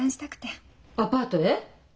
アパートへ？